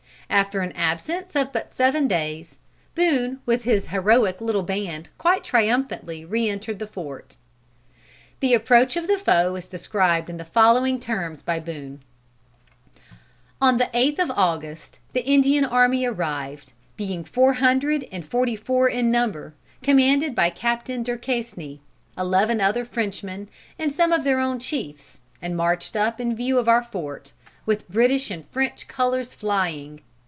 After an absence of but seven days, Boone with his heroic little band quite triumphantly re entered the fort. The approach of the foe is described in the following terms by Boone: "On the eighth of August, the Indian army arrived, being four hundred and forty four in number, commanded by Captain Duquesne, eleven other Frenchmen and some of their own chiefs, and marched up in view of our fort, with British and French colors flying.